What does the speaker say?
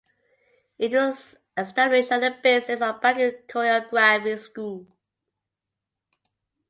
It was established on the basis of Baku Choreography School.